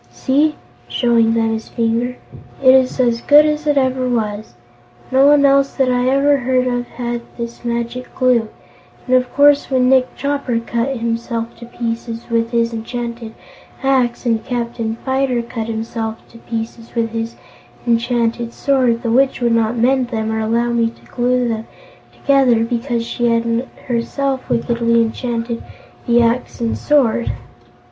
See!" showing them his finger, "it is as good as ever it was. No one else that I ever heard of had this Magic Glue, and of course when Nick Chopper cut himself to pieces with his enchanted axe and Captain Fyter cut himself to pieces with his enchanted sword, the Witch would not mend them, or allow me to glue them together, because she had herself wickedly enchanted the axe and sword.